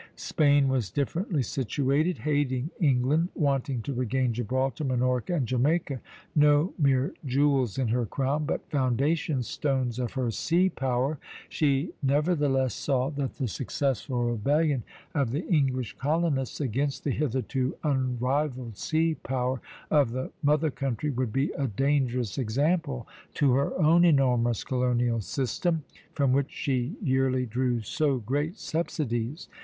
Spain was differently situated. Hating England, wanting to regain Gibraltar, Minorca, and Jamaica, no mere jewels in her crown, but foundation stones of her sea power, she nevertheless saw that the successful rebellion of the English colonists against the hitherto unrivalled sea power of the mother country would be a dangerous example to her own enormous colonial system, from which she yearly drew so great subsidies.